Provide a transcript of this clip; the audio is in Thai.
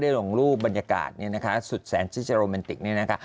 ลงรูปบรรยากาศเนี่ยนะคะสุดแสนที่จะโรแมนติกเนี่ยนะคะ